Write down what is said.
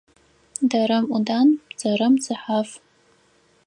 Дэрэм ӏудан, бзэрэм бзыхьаф.